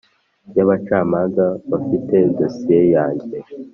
y abacamanza bafite dosiye yanjye